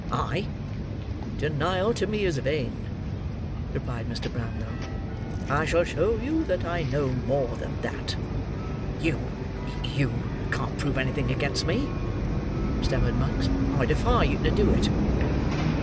"I!" "Denial to me is vain," replied Mr. Brownlow. "I shall show you that I know more than that." "You—you—can't prove anything against me," stammered Monks. "I defy you to do it!"